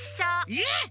えっ！？